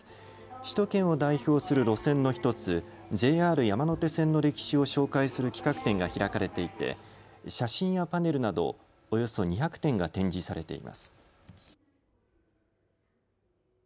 首都圏を代表する路線の１つ、ＪＲ山手線の歴史を紹介する企画展が開かれていて写真やパネルなど、およそ２００点が展示されています。